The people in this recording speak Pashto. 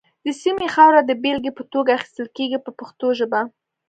د سیمې خاوره د بېلګې په توګه اخیستل کېږي په پښتو ژبه.